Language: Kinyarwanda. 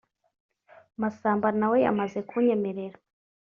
Masamba na we yamaze kunyemerera